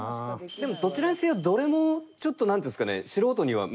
でもどちらにせよどれもちょっとなんていうんですかね